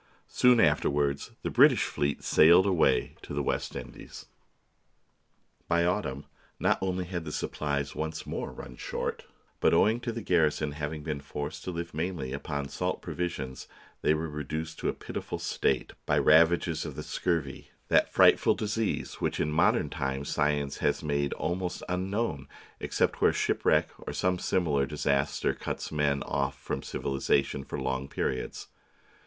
Soon afterward the British fleet sailed away to the West Indies. By autumn not only had the supplies once more THE BOOK OF FAMOUS SIEGES run short, but owing to the garrison having been forced to live mainly upon salt provisions, they were reduced to a pitiful state by ravages of the scurvy, that frightful disease which in modern times science has made almost unknown except where shipwreck or some similar disaster cuts men off from civilisa tion for long periods.